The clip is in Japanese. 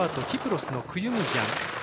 キプロスのクユムジャン。